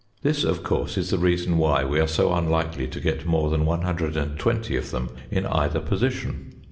This of course is the reason why we are so unlikely to get more than 120 of them in either position.